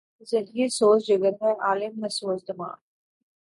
زندگی سوز جگر ہے ،علم ہے سوز دماغ